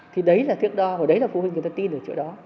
thì đấy là thuyết đo và đấy là phụ huynh người ta tin được chỗ đó